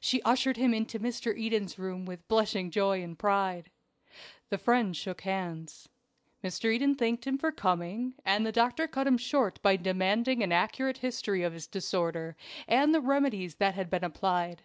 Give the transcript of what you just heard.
She ushered him into Mr. Eden's room with blushing joy and pride. The friends shook hands. Mr. Eden thanked him for coming, and the doctor cut him short by demanding an accurate history of his disorder, and the remedies that had been applied.